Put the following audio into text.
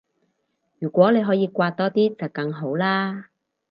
如果你可以搲多啲就更好啦